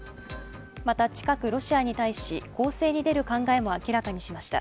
また、近くロシアに対し攻勢に出る考えも明らかにしました。